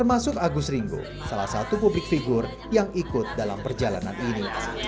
termasuk agus ringo salah satu publik figur yang ikut dalam perjalanan ini